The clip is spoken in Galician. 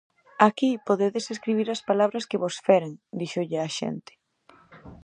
-Aquí podedes escribir as palabras que vos feren -díxolle á xente.